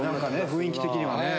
雰囲気的にはね。